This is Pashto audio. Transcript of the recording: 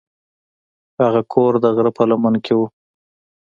هغه کور د غره په لمن کې و.